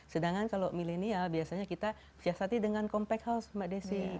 sedangkan kalau milenial biasanya kita siasati dengan compact house mbak desi